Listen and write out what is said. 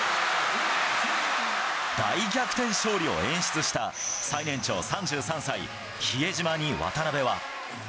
大逆転勝利を演出した最年長３３歳、比江島に渡邊は。